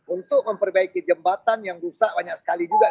untuk memperbaiki jembatan yang rusak banyak sekali juga